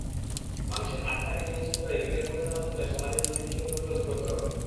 মানুষের আত্মাকে নিয়ন্ত্রণ করে বিবেকবোধের মাধ্যমে সমাজে দুর্নীতিকে প্রতিরোধ করতে হবে।